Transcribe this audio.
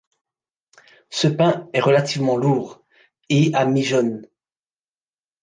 Ce pain est relativement lourd et à mie jaune.